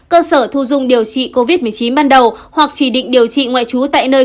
cơ sở thu dung điều trị covid một mươi chín ban đầu hoặc chỉ định điều trị ngoại trú tại nơi